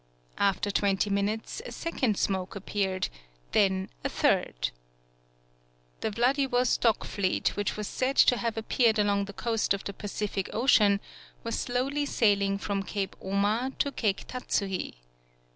After twenty minutes, a sec ond smoke appeared, then a third. The Vladivostock fleet, which was said to 155 PAULOWNIA have appeared along the coast of the Pacific Ocean, was slowly sailing from Cape Oma to Cape Tatsuhi.